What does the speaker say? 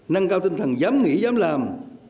nâng cao tinh thần dám nghĩ dám làm